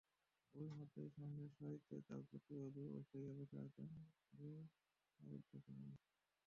অমিতাভের সামনের সারিতে তাঁর পুত্রবধূ ঐশ্বরিয়া বসে আছেন মেয়ে আরাধ্যকে নিয়ে।